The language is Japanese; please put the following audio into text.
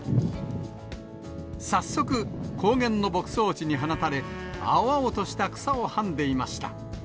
早速、高原の牧草地に放たれ、青々とした草をはんでいました。